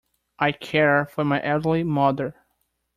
I care for my elderly mother.